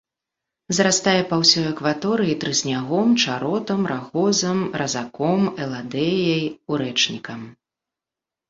Зарастае па ўсёй акваторыі трыснягом, чаротам, рагозам, разаком, эладэяй, урэчнікам.